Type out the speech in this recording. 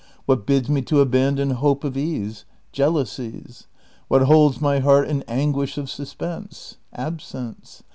AVhat bids me to abandon hope of ease ? Jealousies. What holds my heart in anguish of suspense ? Absence.